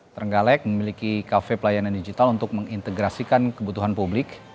terenggalek memiliki kafe pelayanan digital untuk mengintegrasikan kebutuhan publik